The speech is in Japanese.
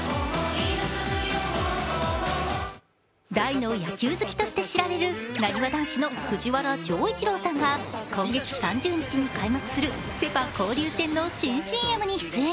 大の野球好きと知られるなにわ男子の藤原丈一郎さんが今月３０日に開幕するセ・パ交流戦の新ＣＭに出演。